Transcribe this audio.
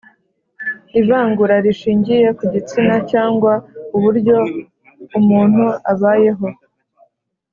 ivangura rishingiye ku gitsina cyangwa uburyo umuntu abayeho